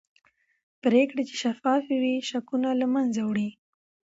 پرېکړې چې شفافې وي شکونه له منځه وړي